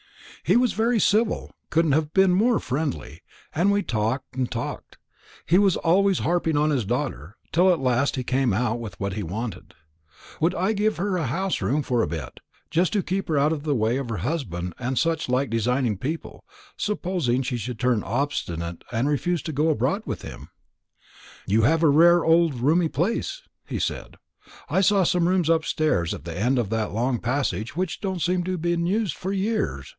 "He was very civil, couldn't have been more friendly, and we talked and talked; he was always harping on his daughter; till at last he came out with what he wanted. Would I give her house room for a bit, just to keep her out of the way of her husband and such like designing people, supposing she should turn obstinate and refuse to go abroad with him? 'You've a rare old roomy place,' he said. 'I saw some rooms upstairs at the end of a long passage which don't seem to have been used for years.